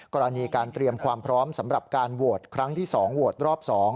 กรณีการเตรียมความพร้อมสำหรับการโหวตครั้งที่๒โหวตรอบ๒